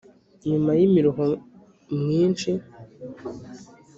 nyuma y’imiruho mwinshi